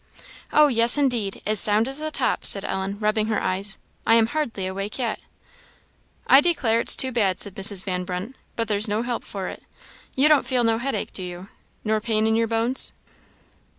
"Oh, yes, indeed; as sound as a top," said Ellen, rubbing her eyes; "I am hardly awake yet." "I declare it's too bad," said Mrs. Van Brunt "but there's no help for it. You don't feel no headache, do you, nor pain in your bones?"